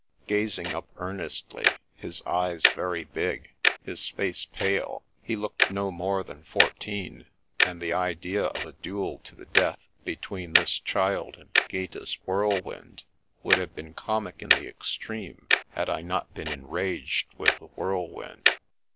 Gazing up earnestly, his eyes very big, his face pale, he looked no more than fourteen, and the idea of a duel to the death between this child and Gaeta's whirlwind would have been comic in the extreme, had I not been enraged with the whirlwind.